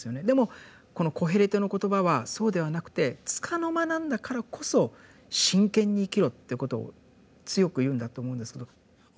でもこの「コヘレトの言葉」はそうではなくて束の間なんだからこそ真剣に生きろっていうことを強く言うんだと思うんですけど。